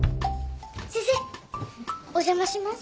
先生お邪魔します。